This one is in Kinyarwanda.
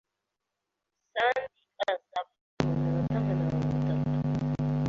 Sandy azaba hano muminota nka mirongo itatu.